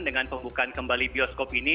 dengan pembukaan kembali bioskop ini